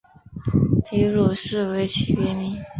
皮鲁士为其别名。